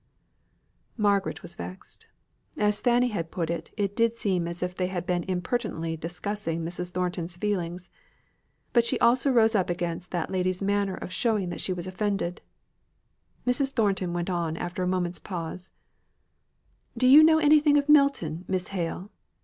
Margaret was vexed. As Fanny had put it, it did seem as if they had been impertinently discussing Mrs. Thornton's feelings; but she also rose up against that lady's manner of showing that she was offended. Mrs. Thornton went on after a moment's pause: "Do you know anything of Milton, Miss Hale?